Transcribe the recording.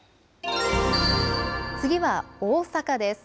次は大阪です。